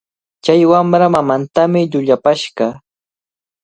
Chay wamra mamantami llullapashqa.